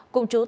cùng chú tài